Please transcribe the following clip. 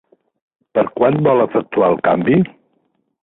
Per quan vol efectuar el canvi?